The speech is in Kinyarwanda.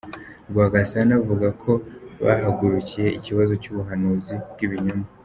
Rwagasana avuga ko bahagurukiye ikibazo cy’ubuhanuzi bw’ibinyoma.